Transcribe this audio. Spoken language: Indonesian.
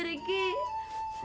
tidak ada orang yang peduli